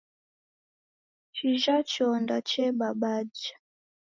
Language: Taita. Chija chonda chebabaja.